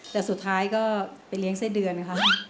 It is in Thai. แต่สุดท้ายก็ไปเลี้ยงไส้เดือนค่ะ